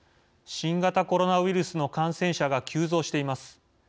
新型コロナウイルスの感染者が急増しています。